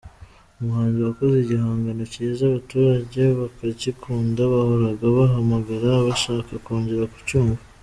Umuhanzi wakoze igihangano cyiza, abaturage bakagikunda bahoraga bahamagara bashaka kongera kucyumva.